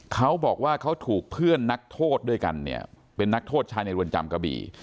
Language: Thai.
เขาบอกว่าเขาถูกเพื่อนนักโทษด้วยกันเนี่ยเป็นนักโทษชายในเรือนจำกะบี่